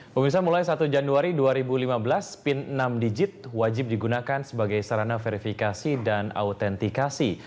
pemirsa mulai satu januari dua ribu lima belas pin enam digit wajib digunakan sebagai sarana verifikasi dan autentikasi